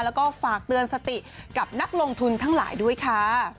แล้วก็ฝากเตือนสติกับนักลงทุนทั้งหลายด้วยค่ะ